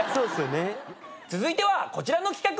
続いてはこちらの企画！